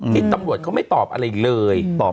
ที่ตำรวจเขาไม่ตอบอะไรเลย